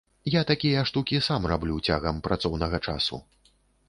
Я такія штукі сам раблю цягам працоўнага часу.